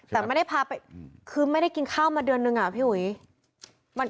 แต่ไม่ได้พาไปคือไม่ได้กินข้าวมาเดือนนึงอะพี่อุ๋ย